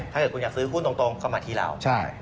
ถ้าเกิดคุณอยากซื้อหุ้นตรงก็มาที่เรา